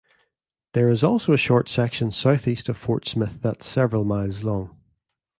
There is also a short section southeast of Fort Smith that's several miles long.